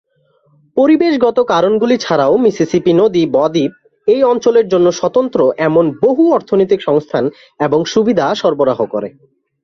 পরিবেশগত কারণগুলি ছাড়াও, মিসিসিপি নদী ব-দ্বীপ এই অঞ্চলের জন্য স্বতন্ত্র এমন বহু অর্থনৈতিক সংস্থান এবং সুবিধাও সরবরাহ করে।